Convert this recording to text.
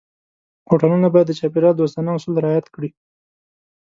هوټلونه باید د چاپېریال دوستانه اصول رعایت کړي.